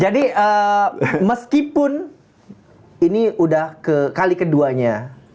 jadi meskipun ini udah kali keduanya